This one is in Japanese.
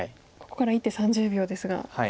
ここから１手３０秒ですが。